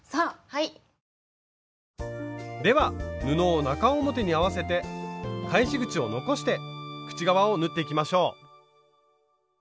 では布を中表に合わせて返し口を残して口側を縫っていきましょう。